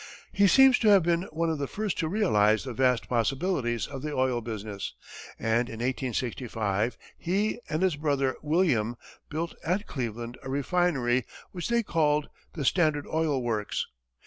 He seems to have been one of the first to realize the vast possibilities of the oil business, and in 1865, he and his brother William built at Cleveland a refinery which they called the Standard Oil Works.